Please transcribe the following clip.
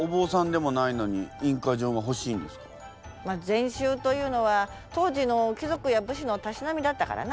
禅宗というのは当時の貴族や武士のたしなみだったからな。